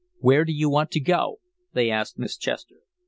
"Where do you want to go?" they asked Miss Chester.